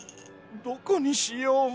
どこにしよう。